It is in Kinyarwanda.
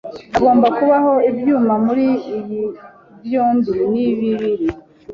hagomba kubaho ibyuma muri iyi byombi ni bibiri